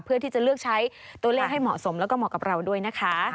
เพื่อที่จะเลือกใช้ตัวเลขให้เหมาะสมแล้วก็เหมาะกับเราด้วยนะคะ